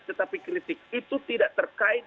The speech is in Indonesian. tetapi kritik itu tidak terkait